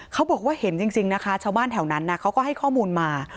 เขาบอกว่าเห็นจริงนะคะชาวบ้านแถวนั้นเขาก็ให้ข้อมูลมา